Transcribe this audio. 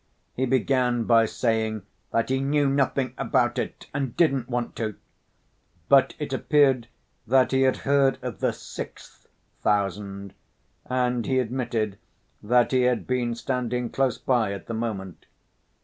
He began by saying that "he knew nothing about it and didn't want to." But it appeared that he had heard of the "sixth" thousand, and he admitted that he had been standing close by at the moment.